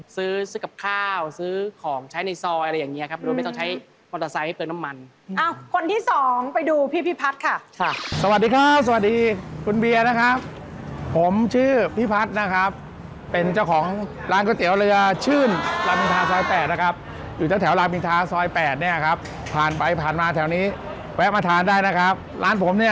ซื้อกับข้าวซื้อของใช้ในซอยอะไรอย่างเงี้ครับโดยไม่ต้องใช้มอเตอร์ไซค์ให้เติมน้ำมันอ้าวคนที่สองไปดูพี่พิพัฒน์ค่ะสวัสดีครับสวัสดีคุณเบียร์นะครับผมชื่อพี่พัฒน์นะครับเป็นเจ้าของร้านก๋วยเตี๋ยวเรือชื่นรามอินทาซอย๘นะครับอยู่แถวรามินทาซอย๘เนี่ยครับผ่านไปผ่านมาแถวนี้แวะมาทานได้นะครับร้านผมเนี่ย